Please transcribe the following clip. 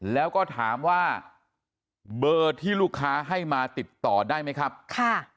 แล้วก็ถามว่าเบอร์ที่ลูกค้าให้มาติดต่อได้ไหมครับค่ะ